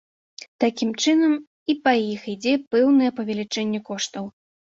Такім чынам, і па іх ідзе пэўнае павелічэнне коштаў.